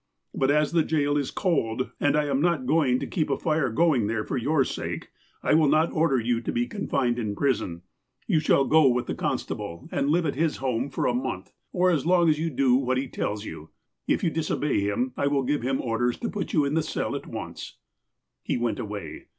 But, as the jail is cold, and I am not goiug to keep a fire going there for your sake, I will not order you to be confined in prison. You shall go with the con FROM JUDGE DUNCAN'S DOCKET 207 stable, aud live at his home for a month, or as long as you do what he tells you. If you disobey him, I will give him orders to put you in the cell at once." He went away.